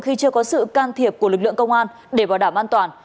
khi chưa có sự can thiệp của lực lượng công an để bảo đảm an toàn